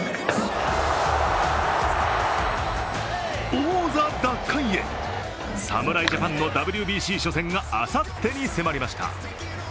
王座奪還へ、侍ジャパンのＷＢＣ初戦があさってに迫りました。